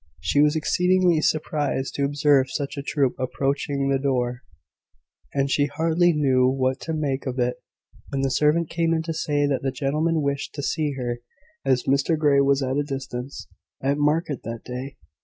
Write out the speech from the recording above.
She was exceedingly surprised to observe such a troop approaching the door: and she hardly knew what to make of it when the servant came in to say that the gentlemen wished to see her, as Mr Grey was at a distance at market that day.